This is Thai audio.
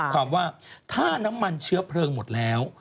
ความว่าถ้าน้ำมันเชื้อเพลิงหมดแล้ว